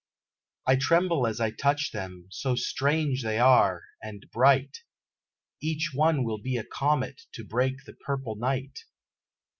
I tremble as I touch them, so strange they are, and bright; Each one will be a comet to break the purple night.